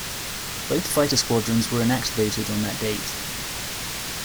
Both fighter squadrons were inactivated on that date.